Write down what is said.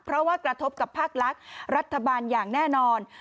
เพราะว่ากระทบกับภาคลักษณ์รัฐบาลอย่างแน่นอน